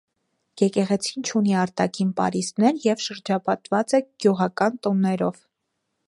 Եկեղեցին չունի արտաքին պարիսպներ եւ շրջապատուած է գիւղական տուներով։